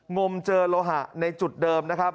งมเจอโลหะในจุดเดิมนะครับ